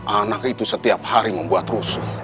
anak itu setiap hari membuat rusun